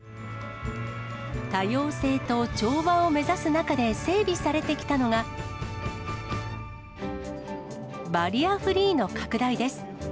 多様性と調和を目指す中で整備されてきたのが、バリアフリーの拡大です。